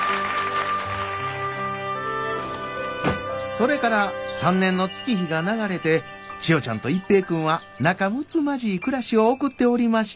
それから３年の月日が流れて千代ちゃんと一平君は仲むつまじい暮らしを送っておりました。